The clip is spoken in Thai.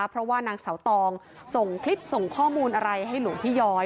เพราะว่านางเสาตองส่งคลิปส่งข้อมูลอะไรให้หลวงพี่ย้อย